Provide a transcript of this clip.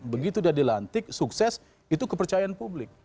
begitu dia dilantik sukses itu kepercayaan publik